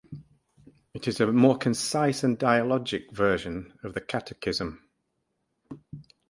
It is a more concise and dialogic version of the "Catechism".